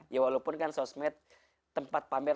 ya walaupun kan sosmed tempat pamer